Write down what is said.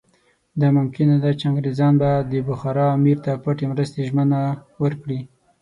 دا ممکنه ده چې انګریزان به د بخارا امیر ته پټې مرستې ژمنه ورکړي.